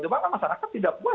tapi masyarakat tidak puas